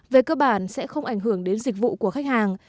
về cơ bản sẽ không ảnh hưởng đến dịch vụ của khách hàng